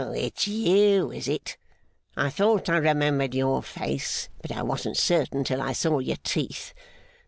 it's you, is it? I thought I remembered your face, but I wasn't certain till I saw your teeth.